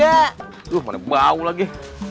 aduh mana bau lagi